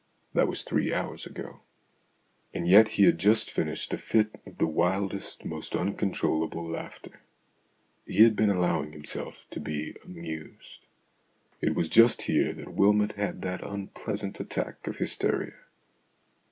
That was three hours ago. And yet he had just finished a fit of the wildest, most uncontrollable laughter. He had been allow ing himself to be amused. It was just here that Wylmot had that unpleasant attack of hysteria.